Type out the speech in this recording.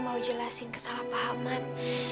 mau jelasin kesalahpahaman